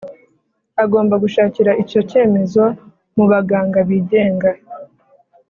agomba gushakira icyo cyemezo mu baganga bigenga.